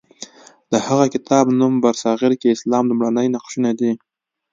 د هغه کتاب نوم برصغیر کې اسلام لومړني نقشونه دی.